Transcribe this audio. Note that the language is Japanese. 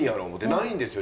ないんですよ